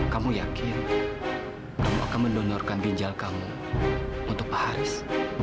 kamu yakin kamu akan mendonorkan ginjal kamu untuk pak haris